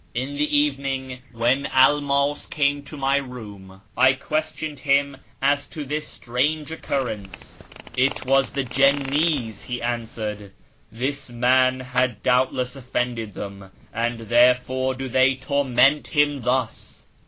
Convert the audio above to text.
In the evening when Elmas came to my room I questioned him as to this strange occurrence. " It was the Jinnis," he answered ;" this man had doubtless offended them, and therefore do they torment him thus."